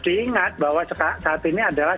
diingat bahwa saat ini adalah